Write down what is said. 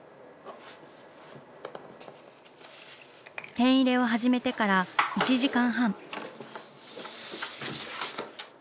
ペン入れを始めてから１時間半。